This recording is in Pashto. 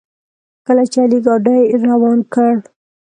کله چې علي ګاډي روان کړ.